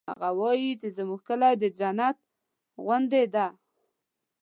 هغه وایي چې زموږ کلی د جنت غوندی ده